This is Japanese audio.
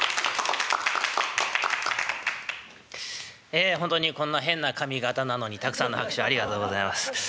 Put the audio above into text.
ええほんとにこんな変な髪形なのにたくさんの拍手ありがとうございます。